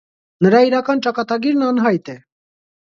Նրա իրական ճակատագիրն անհայտ է։